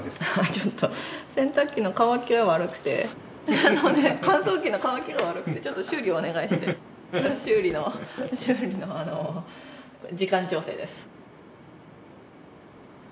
ちょっと洗濯機の乾きが悪くてなので乾燥機の乾きが悪くてちょっと修理をお願いしてそれの修理の修理の時間調整です。